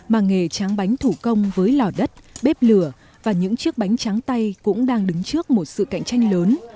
mà nghề tráng bánh thủ công với lò đất bếp lửa và những chiếc bánh tráng tay cũng đang đứng trước một sự cạnh tranh lớn